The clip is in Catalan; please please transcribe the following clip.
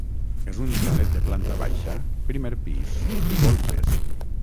És un xalet de planta baixa, primer pis i golfes.